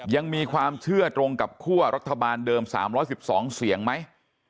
ยังมีความเชื่อตรงกับคั่วรัฐบาลเดิม๓๑๒เสียงไหม